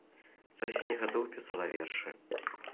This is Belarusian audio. З васьмі гадоў пісала вершы.